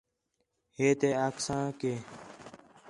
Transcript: ہے تے آکھساں کہ